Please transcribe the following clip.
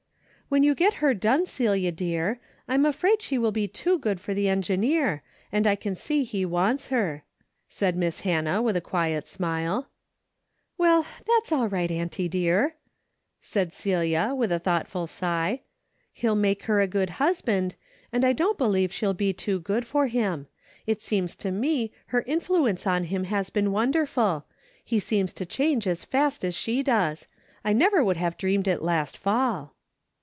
'' When you get her done, Celia dear, I'm afraid she will be too good for the engineer, and I can see he wants her," said Miss Hannah, Avith a quiet smile. "Well, that's all right, auntie dear," said Celia, Avith a thoughtful sigh. " He'll make her a good husband, and I don't believe she'll be too good for him. It seems to me her in 320 A DAILY rate:' fiuence on him has been wonderful. He seems to change as fast as she does. I never would have dreamed it last fall."